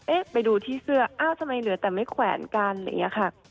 ไปดูที่เสื้ออ้าวทำไมเหลือแต่ไม่แขวนกันอะไรอย่างนี้ค่ะ